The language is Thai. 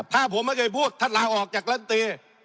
ถ้าผมไม่เคยพูดท่านลาออกจากรัฐตี